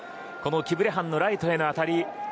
キブレハンのライトへの当たり。